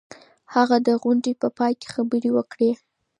هغه د غونډې په پای کي خبري وکړې.